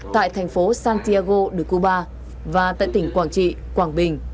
tại thành phố santiago de cuba và tại tỉnh quảng trị quảng bình